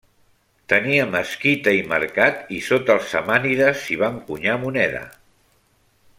Tenia mesquita i mercat i sota els samànides s'hi va encunyar moneda.